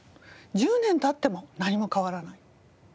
１０年経っても何も変わらない。